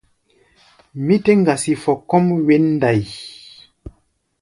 Mí tɛ́ ŋgasi fɔ kɔ́ʼm wěn ndai.